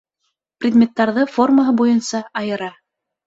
Предметтарҙы формаһы буйынса айыра.